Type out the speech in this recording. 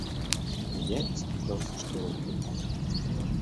И я испугался, что рухнет мир.